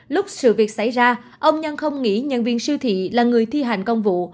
lúc sự việc xảy ra ông nhân không nghĩ nhân viên siêu thị là người thi hành công vụ